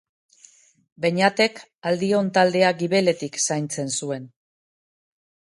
Beinatek aldion taldea gibeletik zaintzen zuen.